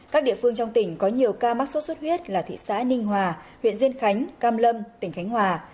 các địa phương trong tỉnh có nhiều ca mắc sốt xuất huyết là thị xã ninh hòa huyện diên khánh cam lâm tỉnh khánh hòa